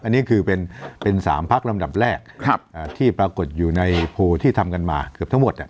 อันนี้คือเป็น๓พักลำดับแรกที่ปรากฏอยู่ในโพลที่ทำกันมาเกือบทั้งหมด